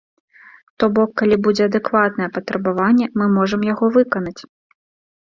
То бок, калі будзе адэкватнае патрабаванне, мы можам яго выканаць.